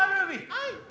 はい。